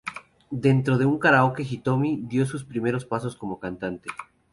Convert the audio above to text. Dentro de un Karaoke Hitomi dio sus primeros pasos como cantante.